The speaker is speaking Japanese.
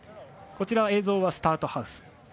映像はスタートハウス。